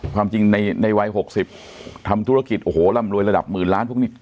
ความจริงในวัย๖๐ทำธุรกิจโอ้โหร่ำรวยระดับหมื่นล้านพวกนี้